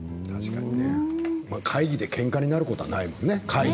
確かにね。会議でけんかになることはないもんね。